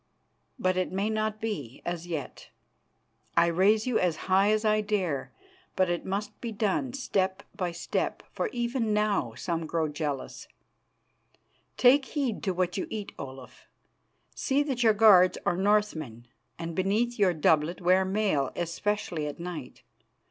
But it may not be as yet. I raise you as high as I dare, but it must be done step by step, for even now some grow jealous. Take heed to what you eat, Olaf. See that your guards are Northmen, and beneath your doublet wear mail, especially at night.